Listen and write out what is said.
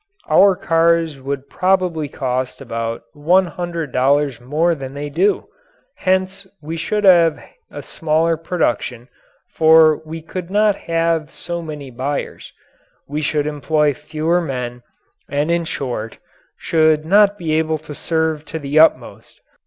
Our cars would probably cost about one hundred dollars more than they do; hence we should have a smaller production, for we could not have so many buyers; we should employ fewer men, and in short, should not be able to serve to the utmost.